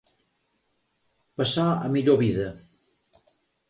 Passar a millor vida.